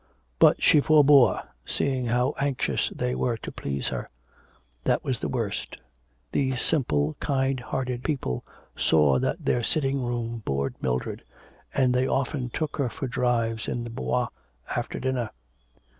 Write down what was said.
But she forebore, seeing how anxious they were to please her. That was the worst. These simple kind hearted people saw that their sitting room bored Mildred, and they often took her for drives in the Bois after dinner.